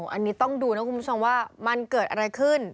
อันนี้ต้องดูนะคุณผู้ชมว่ามันเกิดอะไรขึ้น